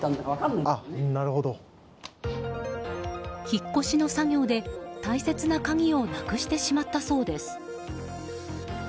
引っ越しの作業で大切な鍵をなくしてしまったそうです。